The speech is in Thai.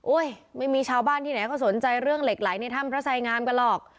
ไม่มีชาวบ้านที่ไหนก็สนใจเรื่องเหล็กไหลในถ้ำพระไสงามกันหรอก